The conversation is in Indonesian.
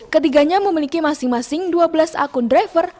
ketiganya memiliki masing masing dua belas akun driver